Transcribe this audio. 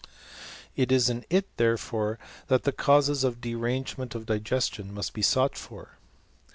It is in it, therefore, that the causes of derangement of digestion must be sought for.